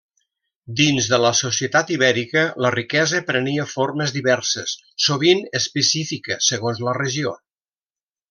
Dins de la societat ibèrica, la riquesa prenia formes diverses, sovint específica segons la regió.